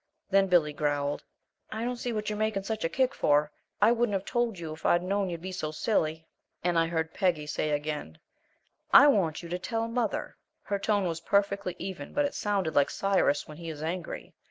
Then Billy growled: "I don't see what you're making such a kick for. I wouldn't have told you if I'd known you'd be so silly." And I heard Peggy say again: "I want you to tell mother." Her tone was perfectly even, but it sounded like Cyrus when he is angry.